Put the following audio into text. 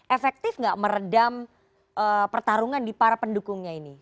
efektif nggak meredam pertarungan di para pendukungnya ini